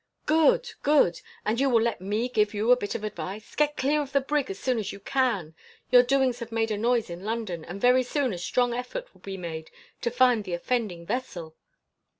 "Good! good! And you will let me give you a bit of advice. Get clear of the brig as soon as you can. Your doings have made a noise in London, and very soon a strong effort will be made to find the offending vessel."